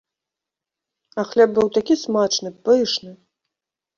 А хлеб быў такі смачны, пышны!